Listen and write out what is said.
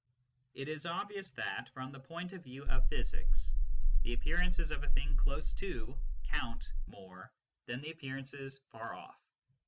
It is obvious that from the point of view of physics the appearances of a thing close to " count " more than the appearances far off.